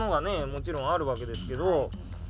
もちろんあるわけですけど。